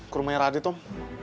ke rumahnya radit om